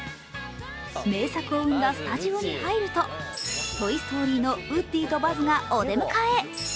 名作を生んだスタジオに入ると「トイ・ストーリー」のウッディとバズがお出迎え。